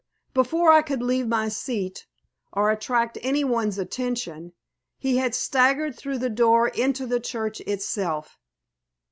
Before I could leave my seat, or attract any one's attention, he had staggered through the door into the church itself.